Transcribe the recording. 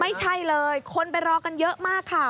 ไม่ใช่เลยคนไปรอกันเยอะมากค่ะ